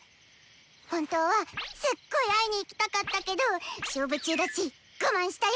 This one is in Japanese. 本当はすっごい会いに行きたかったけど勝負中だし我慢したよ！